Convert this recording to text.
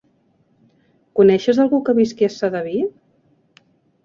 Coneixes algú que visqui a Sedaví?